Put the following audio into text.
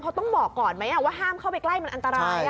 เขาต้องบอกก่อนไหมว่าห้ามเข้าไปใกล้มันอันตราย